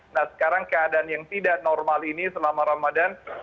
nah sekarang keadaan yang tidak normal ini selama ramadan